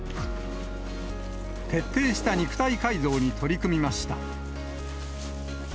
徹底した肉体改造に取り組みました。